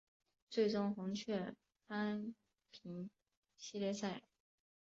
最终红雀扳平系列赛。